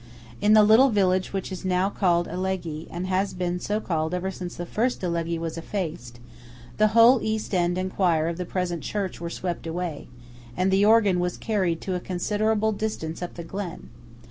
In the little village which is now called Alleghe, and has been so called ever since the first Alleghe was effaced, the whole East end and choir of the present church were swept away, and the organ was carried to a considerable distance up the glen.